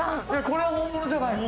これは本物じゃないの？